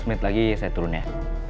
oh oke lima belas menit lagi saya turun ya